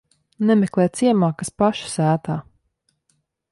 Nemeklē ciemā, kas paša sētā.